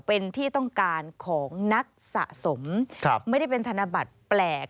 เป็นที่ต้องการของนักสะสมไม่ได้เป็นธนบัตรแปลก